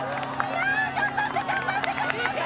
頑張って頑張って頑張って！